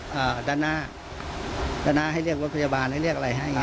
อ่าด้านหน้าด้านหน้าให้เรียกรถพยาบาลให้เรียกอะไรให้ไง